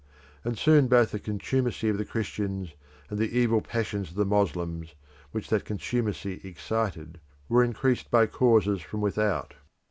And soon both the contumacy of the Christians and the evil passions of the Moslems, which that contumacy excited, were increased by causes from without.